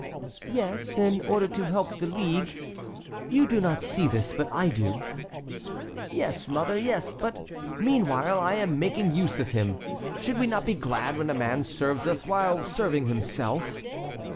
"Yes, in order to help the League. You do not see this, but I do." "Yes, mother, yes; but meanwhile I am making use of him. Should we not be glad when a man serves us while serving himself?"